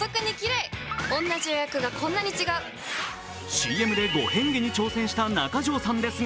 ＣＭで５変化に挑戦した中条さんですが